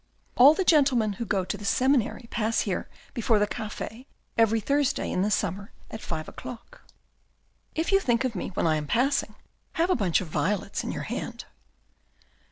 " All the gentlemen who go to the Seminary pass here before the cafe every Thursday in the summer at five o'clock." " If you think of me when I am passing, have a bunch of violets in your hand."